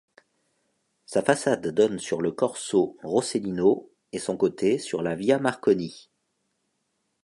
Sa façade donne sur le corso Rosselino et son côté sur la via Marconi.